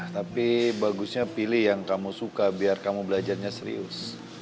tapi bagusnya pilih yang kamu suka biar kamu belajarnya serius